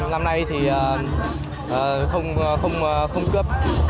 năm nay thì không cướp